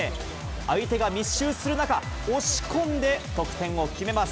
相手が密集する中、押し込んで得点を決めます。